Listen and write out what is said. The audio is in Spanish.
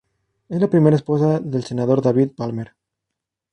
Es la primera esposa del Senador David Palmer.